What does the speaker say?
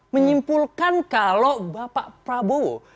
menyimpulkan kalau bapak prabowo